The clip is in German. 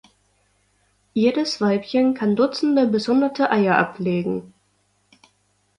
Jedes Weibchen kann Dutzende bis Hunderte Eier ablegen.